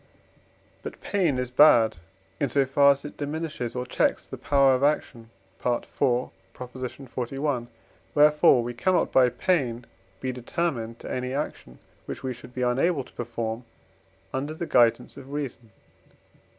But pain is bad, in so far as it diminishes or checks the power of action (IV. xli.); wherefore we cannot by pain be determined to any action, which we should be unable to perform under the guidance of reason.